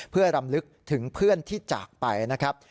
เพื่อรำลึกถึงเพื่อนที่จากไปนะครับ